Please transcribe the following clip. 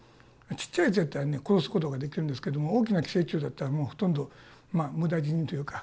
ちっちゃいやつやったらね殺す事ができるんですけども大きな寄生虫だったらもうほとんど無駄死にというか。